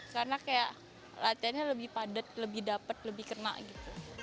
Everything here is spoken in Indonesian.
karena kayak latihannya lebih padat lebih dapet lebih kena gitu